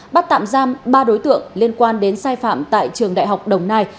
bắt tạm giam ba đối tượng liên quan đến sai phạm tại trường đại học đồng nai